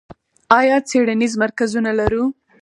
آیا څیړنیز مرکزونه لرو؟